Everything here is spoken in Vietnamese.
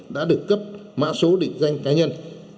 đã được cấp mã số định danh cá nhân